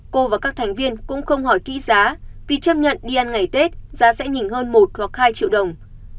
cô và các thành viên cũng không hỏi kỹ giá vì chấp nhận đi ăn ngày tết giá sẽ nhìn hơn một hoặc hai triệu đồng